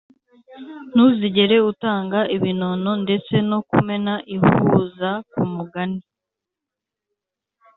ntuzigere utanga ibinono ndetse no kumena ihuza kumugani